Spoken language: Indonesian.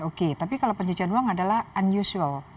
oke tapi kalau pencucian uang adalah unusual